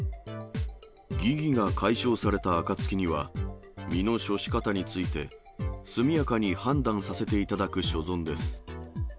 疑義が解消された暁には、身の処し方について、速やかに判断させていただく所存です。